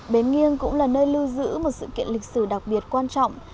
bến nghiêng cũng là nơi lưu giữ một sự kiện lịch sử đặc biệt quan trọng